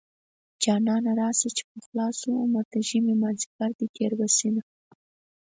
جانانه راشه چې پخلا شو عمر د ژمې مازديګر دی تېر به شينه